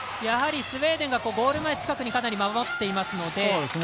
やはりスウェーデンがゴール前近くに守っていますので。